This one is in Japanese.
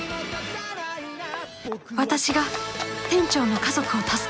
私が店長の家族を助ける！